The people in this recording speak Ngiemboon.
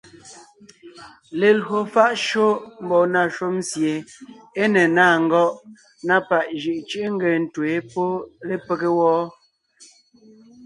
Lelwò fáʼ shÿó mbɔɔ na shúm sie é ne ńnáa ngɔ́ʼ na páʼ jʉʼ cʉ́ʼʉ nge ńtween pɔ́ lepége wɔ́.